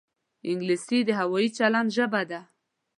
انګلیسي د هوايي چلند ژبه ده